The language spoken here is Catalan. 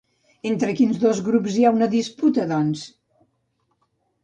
Entre quins dos grups hi ha una disputa, doncs?